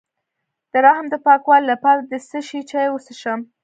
د رحم د پاکوالي لپاره د څه شي چای وڅښم؟